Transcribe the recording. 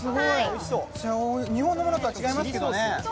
日本のものとは違いますけどね。